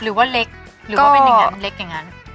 หรือว่าเล็กหรือว่าเป็นอย่างนั้นมันเล็กอย่างนั้น